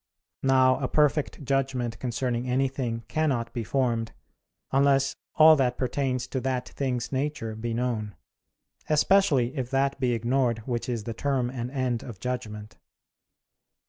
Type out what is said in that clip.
Now a perfect judgment concerning anything cannot be formed, unless all that pertains to that thing's nature be known; especially if that be ignored which is the term and end of judgment.